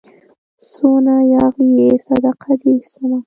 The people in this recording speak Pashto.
څونه ياغي يې صدقه دي سمه